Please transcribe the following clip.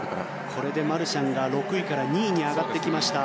これでマルシャンが６位から２位に上がってきました。